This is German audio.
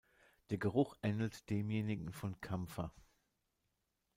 Der Geruch ähnelt demjenigen von Campher.